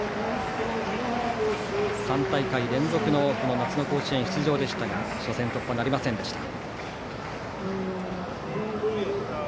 ３大会連続のこの夏の甲子園出場でしたが初戦突破なりませんでした。